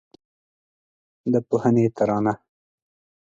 د پوهنې ترانه